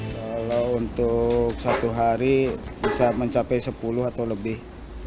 kalau untuk satu hari bisa mencapai sepuluh atau lebih